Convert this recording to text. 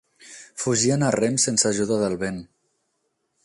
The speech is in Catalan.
Fugien a rems sense ajuda del vent.